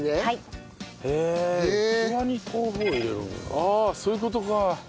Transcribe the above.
ああそういう事か。